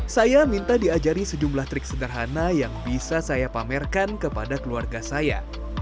saya minta diajari sejumlah trik sederhana yang bisa saya pamerkan kepada keluarga saya